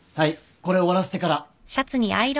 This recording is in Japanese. これ終わらせてから。